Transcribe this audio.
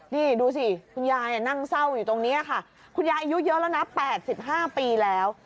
นี่ดูสิคุณยายนั่งเศร้าอยู่ตรงนี้ค่ะคุณยายอายุเยอะแล้วนะ๘๕ปีแล้ว